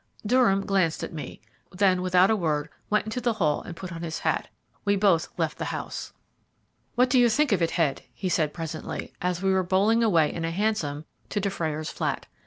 Durham glanced at me, then without a word went into the hall and put on his hat. We both left the house. "What do you think of it, Head?" he said presently, as we were bowling away in a hansom to Dufrayer's flat.